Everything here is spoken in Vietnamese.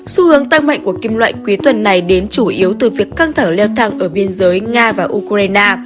xu hướng tăng mạnh của kim loại quý tuần này đến chủ yếu từ việc căng thẳng leo thang ở biên giới nga và ukraine